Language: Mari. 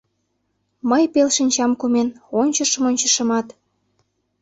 Мый, пел шинчам кумен, ончышым-ончышымат...